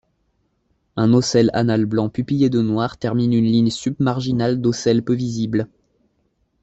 Un ocelle anal blanc pupillé de noir termine une ligne submarginale d'ocelles peu visibles.